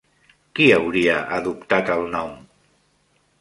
Qui hauria adoptat el nom?